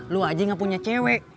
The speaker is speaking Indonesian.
lo aja gak punya cewek